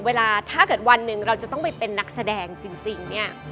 เวลาถ้าเกิดวันหนึ่งเราจะต้องไปเป็นนักแสดงจริงเนี่ย